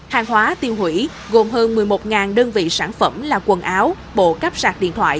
hàng hóa tiêu hủy gồm hơn một mươi một đơn vị sản phẩm là quần áo bộ cáp sạc điện thoại